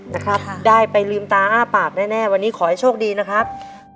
นะครับได้ไปลืมตาอ้าปากแน่วันนี้ขอให้โชคดีนะครับ